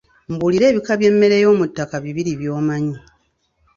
Mbuulira ebika by'emmere y'omuttaka bibiri byomanyi.